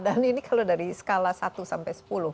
dan ini kalau dari skala satu sampai sepuluh